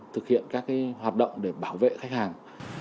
thực hiện các hoạt động để bảo vệ khách hàng